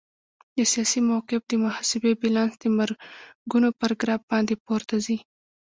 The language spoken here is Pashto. د سیاسي موقف د محاسبې بیلانس د مرګونو پر ګراف باندې پورته ځي.